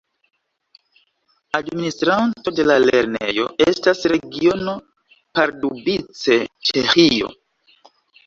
Administranto de la lernejo estas Regiono Pardubice, Ĉeĥio.